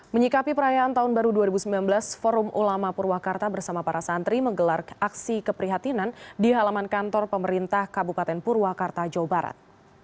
menyikapi perayaan tahun baru dua ribu sembilan belas forum ulama purwakarta bersama para santri menggelar aksi keprihatinan di halaman kantor pemerintah kabupaten purwakarta jawa barat